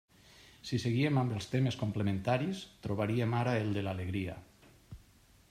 Si seguíem amb els temes complementaris, trobaríem ara el de l'alegria.